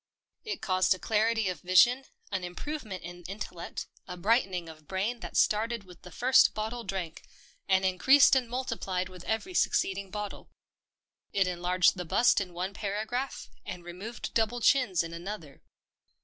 It caused a clarity of vision, an improvement in intellect, a brightening of 156 THE PEPNOTISED MILK brain that started with the first bottle drank, and increased and multiplied with every succeeding bottle. It enlarged the bust in one paragraph, and removed double chins in another.